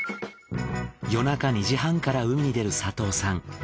夜中２時半から海に出る佐藤さん。